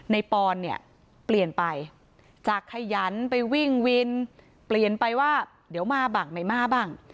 ปอนเนี่ยเปลี่ยนไปจากขยันไปวิ่งวินเปลี่ยนไปว่าเดี๋ยวมาบ้างไม่มาบ้าง